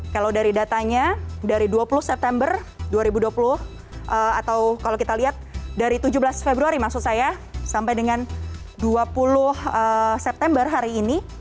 kalau dari datanya dari dua puluh september dua ribu dua puluh atau kalau kita lihat dari tujuh belas februari maksud saya sampai dengan dua puluh september hari ini